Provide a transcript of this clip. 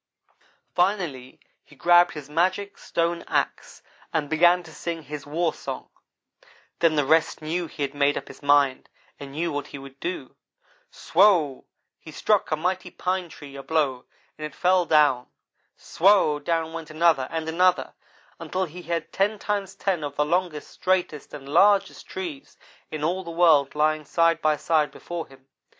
Finally he grabbed his magic stone axe, and began to sing his warsong. Then the rest knew he had made up his mind and knew what he would do. Swow! he struck a mighty pine tree a blow, and it fell down. Swow! down went another and another, until he had ten times ten of the longest, straightest, and largest trees in all the world lying side by side before him.